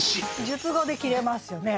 述語で切れますよね。